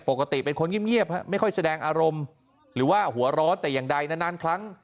ปกติเป็นคนเงียบไม่ค่อยแสดงอารมณ์หรือว่าหัวร้อนแต่อย่างใดนานครั้ง